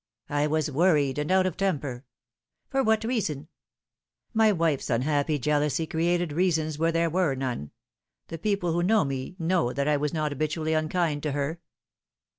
" I was worried, and out of temper." " For what reason ?"" My wife's unhappy jealousy created reasons where there were none. The people who know me know that I was not habitually unkind to her."